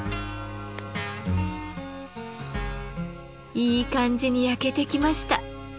いい感じに焼けてきました。